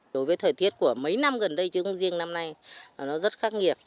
đối với thời tiết của mấy năm gần đây chứ không riêng năm nay là nó rất khắc nghiệt